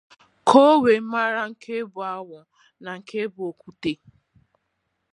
ka o wee mara nke bụ awọ na nke bụ okwute